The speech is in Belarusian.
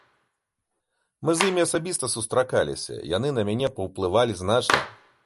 Мы з імі асабіста сустракаліся, яны на мяне паўплывалі значна.